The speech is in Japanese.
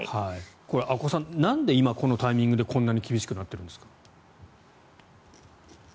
阿古さん、なんで今このタイミングでこんなに厳しくなっているんですか？